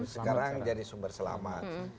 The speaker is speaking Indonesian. sekarang jadi sumber selamat